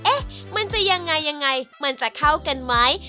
เอ๊ะมันจะยังไงยังไงมันจะเข้ากันไหม